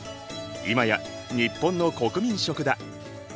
今や日本の国民食だ。